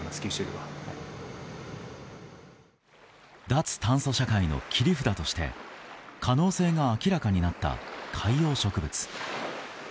脱炭素社会の切り札として可能性が明らかになった海洋植物。